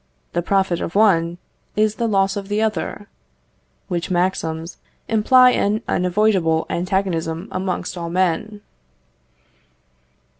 The profit of one, is the loss of the other: which maxims imply an unavoidable antagonism amongst all men.